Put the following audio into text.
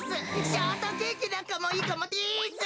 ショートケーキなんかもいいかもです。